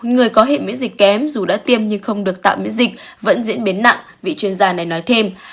người có hệ miễn dịch kém dù đã tiêm nhưng không được tạm miễn dịch vẫn diễn biến nặng vị chuyên gia này nói thêm